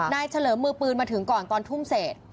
เฉลิมมือปืนมาถึงก่อนตอนทุ่มเศษ